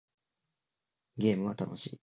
ゲームは楽しい